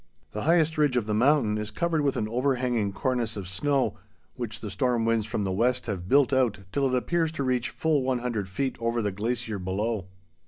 The highest ridge of the mountain is covered with an overhanging cornice of snow, which the storm winds from the west have built out till it appears to reach full one hundred feet over the glacier below.